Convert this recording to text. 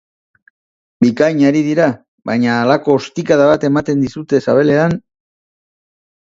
Bikain ari dira, baina halako ostikada bat ematen dizute sabelean...